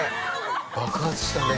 爆発したね。